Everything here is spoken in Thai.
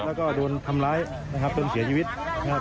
แล้วก็โดนทำร้ายนะครับจนเสียชีวิตนะครับ